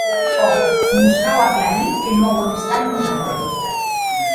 Òc, mos cau aclarir que non auem estat nosati.